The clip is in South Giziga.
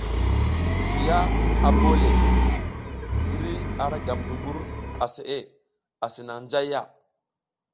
Kiya a bole le ziriy a ra gam dungur a seʼe asi nang njayya.